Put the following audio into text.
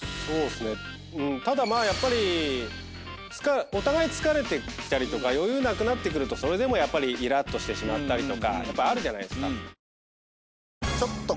ただお互い疲れてきたりとか余裕なくなってくるとそれでもイラっとしてしまったりやっぱあるじゃないですか。